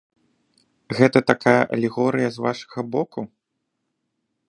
Гэта такая алегорыя з вашага боку?